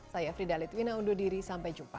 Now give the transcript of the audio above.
saya fridhali twina undur diri sampai jumpa